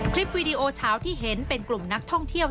คลิปวีดีโอเฉาที่เห็นเป็นกลุ่มนักท่องเที่ยว